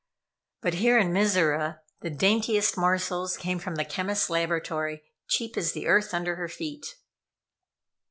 But here in Mizora, the daintiest morsels came from the chemists laboratory, cheap as the earth under her feet.